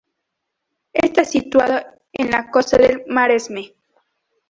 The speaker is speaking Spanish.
Está situado en la costa del Maresme.